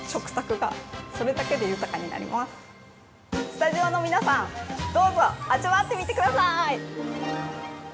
スタジオの皆さん、どうぞ味わってみてください。